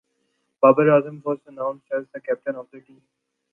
Babar Azam was announced as the captain of the team.